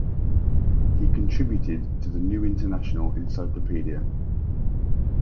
He contributed to the New International Encyclopedia.